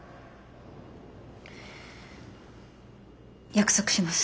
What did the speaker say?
約束します。